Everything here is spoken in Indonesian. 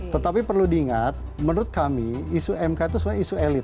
tetapi perlu diingat menurut kami isu mk itu sebenarnya isu elit